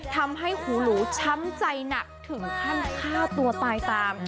ทำให้หูหรูช้ำใจหนักถึงขั้นฆ่าตัวตายตาม